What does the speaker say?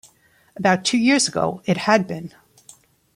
About two years ago, it had been.